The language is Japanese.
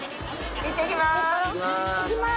いってきます。